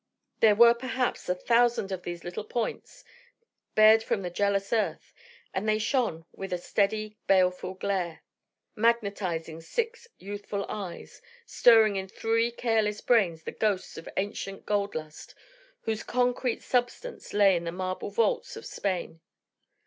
There were, perhaps, a thousand of these little points bared from the jealous earth, and they shone with a steady baleful glare, magnetising six youthful eyes, stirring in three careless brains the ghosts of ancient gold lust, whose concrete substance lay in the marble vaults of Spain.